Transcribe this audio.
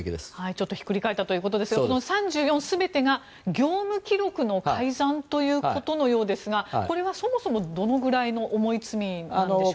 ちょっとひっくり返ったということですがその３４全てが業務記録の改ざんということのようですがこれはそもそもどのぐらいの重い罪なんでしょうか。